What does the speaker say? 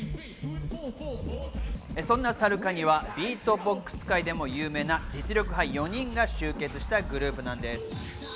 そんなＳＡＲＵＫＡＮＩはビートボックス界でも有名な実力派４人が集結したグループです。